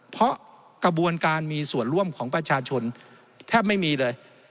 เพราะกระบวนการมีส่วนร่วมของประชาชนแทบไม่มีเลย